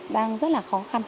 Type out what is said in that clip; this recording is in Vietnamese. đang rất là khó khăn